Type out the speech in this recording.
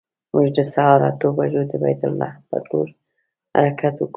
موږ د سهار اتو بجو د بیت لحم پر لور حرکت وکړ.